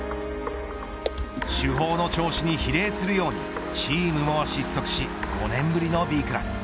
主砲の調子に比例するようにチームも失速し５年ぶりのＢクラス。